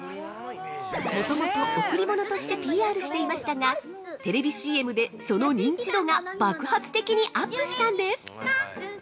◆もともと贈り物としてＰＲしていましたが、テレビＣＭで、その認知度が爆発的にアップしたんです。